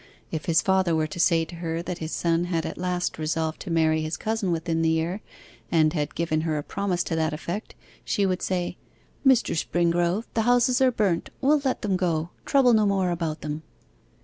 If his father were to say to her that his son had at last resolved to marry his cousin within the year, and had given her a promise to that effect, she would say, 'Mr. Springrove, the houses are burnt: we'll let them go: trouble no more about them.